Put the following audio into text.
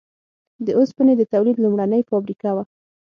د اوسپنې د تولید لومړنۍ فابریکه وه.